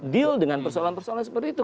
deal dengan persoalan persoalan seperti itu